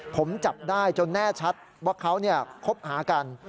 ผมจับได้จนแน่ชัดว่าเขาคบหากัน